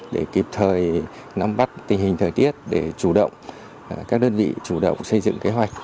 để kịp thời nắm bắt tình hình thời tiết để các đơn vị chủ động xây dựng kế hoạch